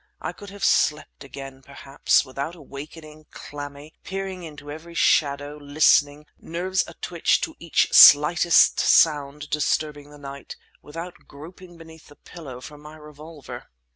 I could have slept again, perhaps; without awaking, clammy, peering into every shadow, listening, nerves atwitch to each slightest sound disturbing the night; without groping beneath the pillow for my revolver.